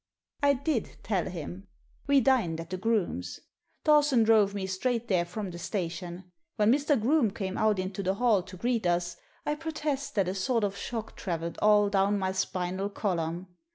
I did tell him. We dined at the Groomes*. Dawson drove me straight there from the station. When Mr. Groome came out into the hall to greet us I protest that a sort of shock travelled all down my spinal column.